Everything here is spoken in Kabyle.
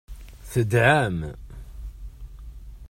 Tedɛam.